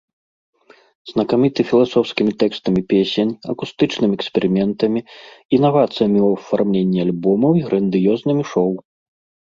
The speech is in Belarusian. Знакаміты філасофскімі тэкстамі песень, акустычнымі эксперыментамі, інавацыямі ў афармленні альбомаў і грандыёзнымі шоу.